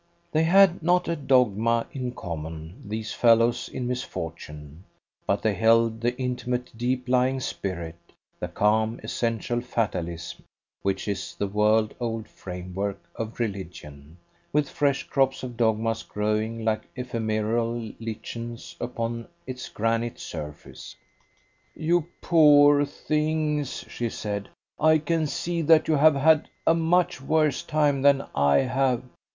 They had not a dogma in common, these fellows in misfortune; but they held the intimate, deep lying spirit, the calm, essential fatalism which is the world old framework of religion, with fresh crops of dogmas growing like ephemeral lichens upon its granite surface. "You poor things!" she said. "I can see that you have had a much worse time than I have.